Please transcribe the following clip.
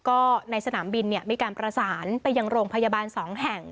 ก็ในสนามบินมีการประสานไปยังโรงพยาบาล๒แห่ง